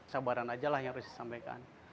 sabaran aja lah yang harus disampaikan